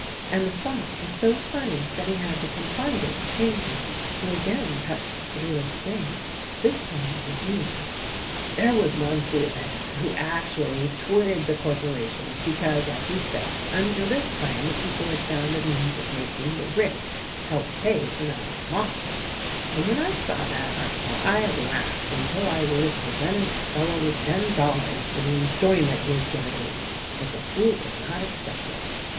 And the thought was so funny that he had to confide it to Chambers ; who again touched the little spring — this time with his knee. "There was one fool editor who actuallv twitted the cor THE RECORDING ANGEL 141 porations because as he said, under this plan the people had found a means of making the rich help pay for their own losses ; and when I saw that article I laughed until I would have presented the fellow with ten dollars for the enjoyment he had given me — but the fool would not accept it."